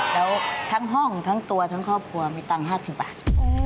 แล้วทั้งห้องทั้งตัวทั้งครอบครัวมีตังค์๕๐บาท